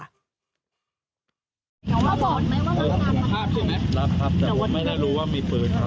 ลองบอกไหมว่าน้ำเพชรรับครับแต่ผมไม่น่ารู้ว่ามีปืนครับ